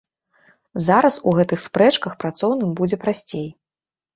Зараз у гэтых спрэчках працоўным будзе прасцей.